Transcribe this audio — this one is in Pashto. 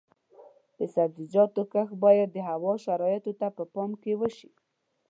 د سبزیجاتو کښت باید د هوا شرایطو ته په پام وشي.